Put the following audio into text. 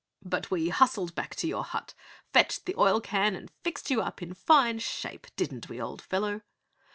"But we hustled back to your hut, fetched the oil can and fixed you up in fine shape, didn't we, old fellow?"